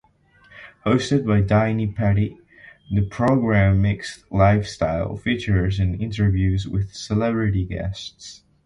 Hosted by Dini Petty, the program mixed lifestyle features and interviews with celebrity guests.